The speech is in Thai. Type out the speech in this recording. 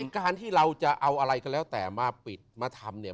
การที่เราจะเอาอะไรก็แล้วแต่มาปิดมาทำเนี่ย